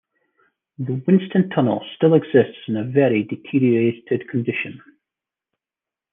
The Winston Tunnel still exists in a very deteriorated condition.